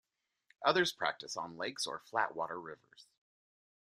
Others practice on lakes or flatwater rivers.